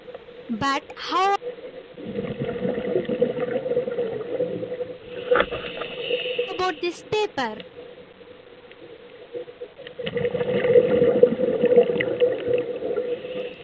But how about this paper?